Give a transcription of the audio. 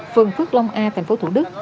phường phước long a thành phố thủ đức